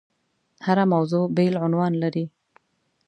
هره موضوع بېل عنوان لري.